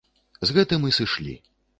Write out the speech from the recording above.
З гэтым і сышлі.